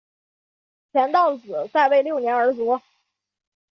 田悼子在位六年而卒。